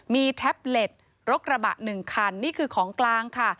มีแท็บเล็ตรถกระบะ๑คันนี่คือของกลางค่ะ